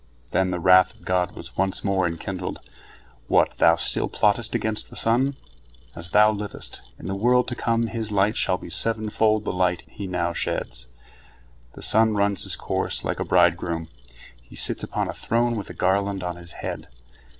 Then the wrath of God was once more enkindled: "What, thou still plottest against the sun? As thou livest, in the world to come his light shall be sevenfold the light he now sheds." The Sun runs his course like a bridegroom. He sits upon a throne with a garland on his head.